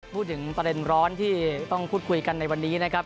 พูดถึงประเด็นร้อนที่ต้องพูดคุยกันในวันนี้นะครับ